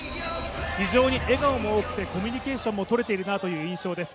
非常に笑顔も多くてコミュニケーションがとれているなという印象です。